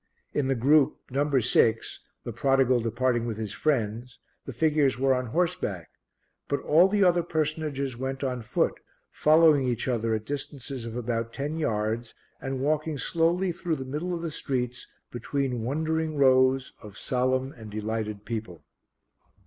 In the group No. 6 the Prodigal departing with his friends the figures were on horseback; but all the other personages went on foot, following each other at distances of about ten yards, and walking slowly through the middle of the streets between wondering rows of solemn and delighted people.